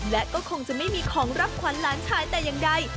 และก็คงจะไม่มีของรับขวัญหลานชายแต่อย่างใด